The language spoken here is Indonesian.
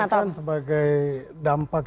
itu kan sebagai dampak